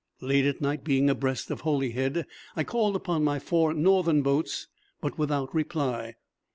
Late at night, being abreast of Holyhead, I called upon my four northern boats, but without reply.